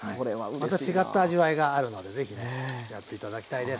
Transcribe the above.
また違った味わいがあるのでぜひねやって頂きたいです。